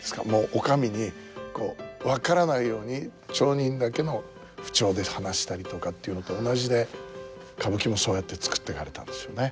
お上にこう分からないように町人だけの口調で話したりとかっていうのと同じで歌舞伎もそうやって作っていかれたんですよね。